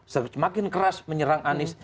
semakin keras menyerang anies